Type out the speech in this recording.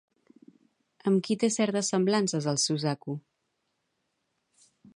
Amb qui té certes semblances, el Suzaku?